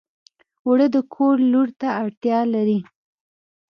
اوړه د کور لور ته اړتیا لري